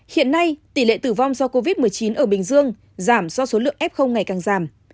hiện nay tỷ lệ tử vong do covid một mươi chín ở bình dương giảm do số lượng f ngày càng giảm